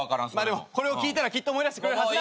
でもこれを聴いたらきっと思い出してくれるはずです。